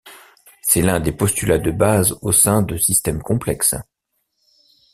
C’est l’un des postulats de base au sein de systèmes complexes.